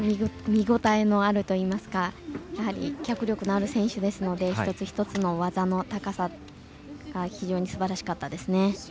見応えのあるといいますかやはり脚力のある選手ですので一つ一つの技の高さが非常にすばらしかったですね。